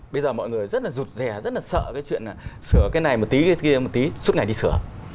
bây giờ mọi người rất là rụt rè rất là sợ cái chuyện là sửa cái này một tí cái kia một tí suốt ngày đi sửa